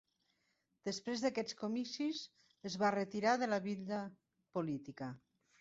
Després d'aquests comicis, es va retirar de la vida política.